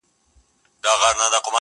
تر بچیو گوله نه سي رسولای!!